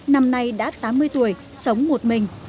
năm nay đã tám mươi tuổi sống một mình